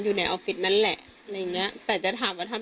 แบบตอนหน้าใช่ไหม